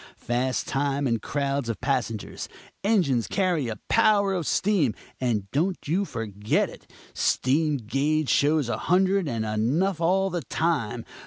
Fast time and crowds of passengers! Engines carry a power of steam, and don't you forget it. Steam gauge shows a hundred and enough all the time.